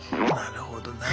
なるほどな。